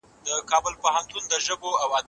که موږ یو بل ونه منو نو شخړې جوړیږي.